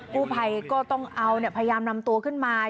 ผู้ภัยก็ต้องเอาพยายามนำตัวขึ้นมา